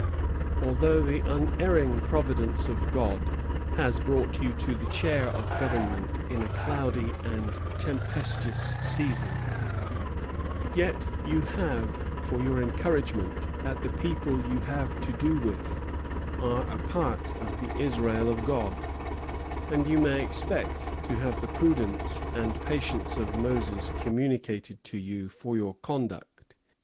Altho the unerring Providence of God has brought you to the Chair of Government in a cloudy and tempestuous season, yet you have this for your Encouragement, that the people you Have to do with are a part of the Israel of God, and you may expect to have of the Prudence and Patience of Moses communicated to you for your Conduct.